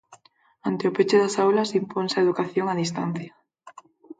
Ante o peche das aulas, imponse a educación a distancia.